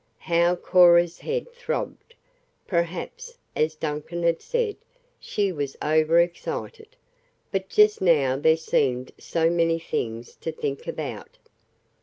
How Cora's head throbbed! Perhaps, as Duncan had said, she was over excited. But just now there seemed so many things to think about.